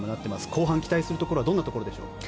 後半、期待するところはどんなところでしょう。